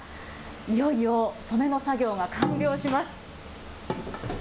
いよいよ染めの作業が完了します。